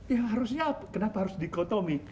ya harusnya kenapa harus dikotomi